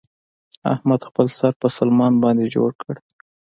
احمد خپل سر په سلمان باندې جوړ کړ.